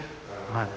はい。